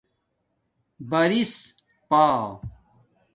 برِس پا